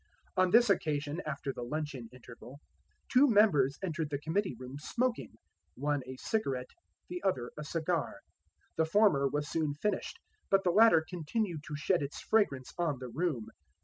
On this occasion, after the luncheon interval, two members entered the committee room smoking, one a cigarette the other a cigar. The former was soon finished; but the latter continued to shed its fragrance on the room.